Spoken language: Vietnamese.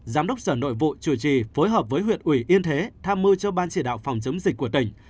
giám đốc sở nội vụ chủ trì phối hợp với huyện ủy yên thế tham mưu cho ban chỉ đạo phòng chống dịch của tỉnh